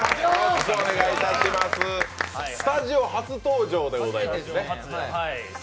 スタジオ初登場ということでございますね。